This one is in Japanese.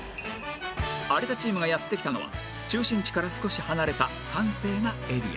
有田チームがやって来たのは中心地から少し離れた閑静なエリア